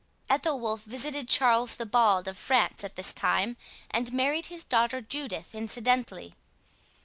Ethelwolf visited Charles the Bald of France at this time, and married his daughter Judith incidentally.